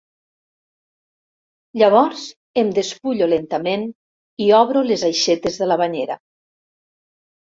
Llavors em despullo lentament i obro les aixetes de la banyera.